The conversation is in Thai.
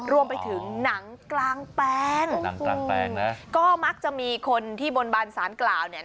รวมไปถึงหนังกลางแปลงหนังกลางแปลงนะก็มักจะมีคนที่บนบานสารกล่าวเนี่ย